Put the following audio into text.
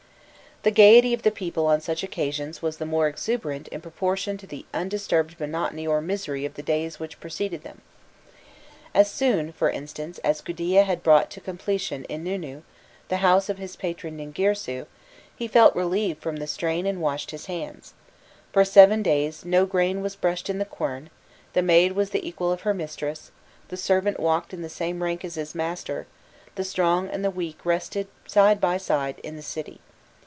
The gaiety of the people on such occasions was the more exuberant in proportion to the undisturbed monotony or misery of the days which preceded them. As soon, for instance, as Gudea had brought to completion Ininnu, the house of his patron Ningirsu, "he felt relieved from the strain and washed his hands. For seven days, no grain was bruised in the quern, the maid was the equal of her mistress, the servant walked in the same rank as his master, the strong and the weak rested side by side in the city."